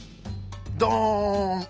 どん！